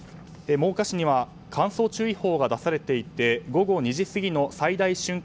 真岡市には乾燥注意報が出されていて午後２時過ぎの最大瞬間